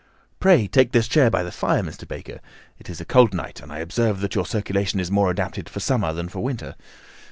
"Pray take this chair by the fire, Mr. Baker. It is a cold night, and I observe that your circulation is more adapted for summer than for winter.